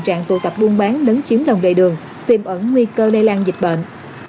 trạng tụ tập buôn bán nấn chiếm lồng đầy đường tìm ẩn nguy cơ lây lan dịch bệnh